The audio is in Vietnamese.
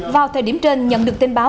vào thời điểm trên nhận được tin báo